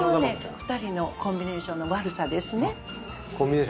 ２人のコンビネーションの悪さですね